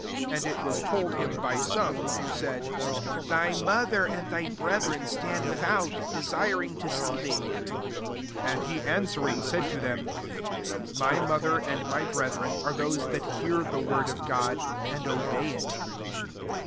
20 And it was told him ty 9ome^ who said, Thy mother and thy brethren 11 stsmd without, desiring to see thee.'^ 21 And he answeri&g, said to them, My mother and my brethren are those that hear the word of God, and obey «^.